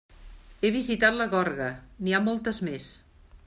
He visitat la gorga, n'hi ha moltes més.